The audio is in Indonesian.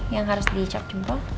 yang harus dicap jempol